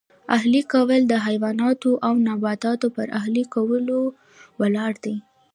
اهلي کول د حیواناتو او نباتاتو پر اهلي کولو ولاړ دی